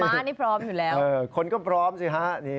้านี่พร้อมอยู่แล้วคนก็พร้อมสิฮะ